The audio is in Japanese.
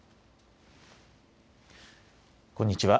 こんにちは。